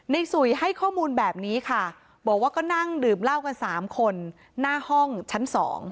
สุยให้ข้อมูลแบบนี้ค่ะบอกว่าก็นั่งดื่มเหล้ากัน๓คนหน้าห้องชั้น๒